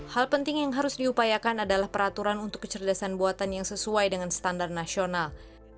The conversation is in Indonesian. hal penting yang harus diupayakan adalah peraturan untuk kecerdasan buatan yang sesuai dengan standar nasional